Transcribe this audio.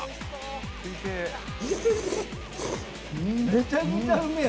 めちゃくちゃうめえ。